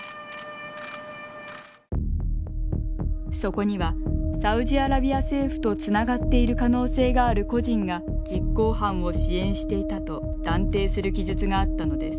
そこにはサウジアラビア政府とつながっている可能性がある個人が実行犯を支援していたと断定する記述があったのです。